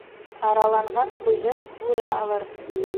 Араланған ҡуйҙы бүре алыр.